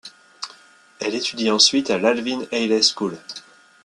Elle étudie ensuite à l’Alvin Ailey School.